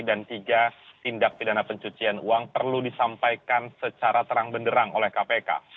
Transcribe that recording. dan tiga tindak pidana pencucian uang perlu disampaikan secara terang benderang oleh kpk